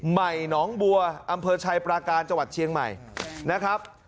ใหม่หนองบัวอำเภอชัยปราการจังหวัดเชียงใหม่นะครับ